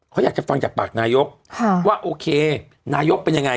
เขาอยากจะฟังจากปากนายกว่าโอเคนายกเป็นยังไง